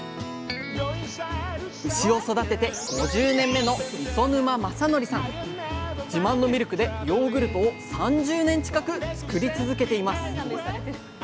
牛を育てて５０年目の自慢のミルクでヨーグルトを３０年近く作り続けています。